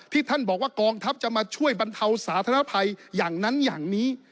ท่านบอกว่ากองทัพจะมาช่วยบรรเทาสาธารณภัยอย่างนั้นอย่างนี้